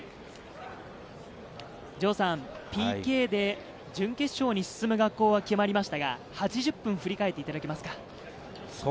ＰＫで準決勝に進む学校は決まりましたが、８０分を振り返っていただけますか？